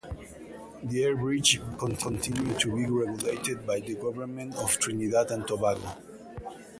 The airbridge will continue to be regulated by the Government of Trinidad and Tobago.